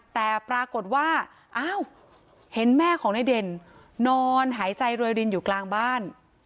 แต่ปรากฏว่าอ้าวเห็นแม่ของนายเด่นนอนหายใจรวยรินอยู่กลางบ้าน